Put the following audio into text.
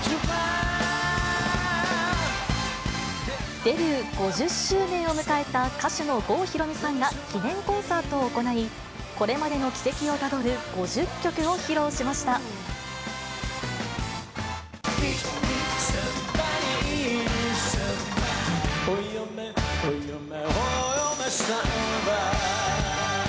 デビュー５０周年を迎えた歌手の郷ひろみさんが記念コンサートを行い、これまでの軌跡をたどる５０曲を披露しました。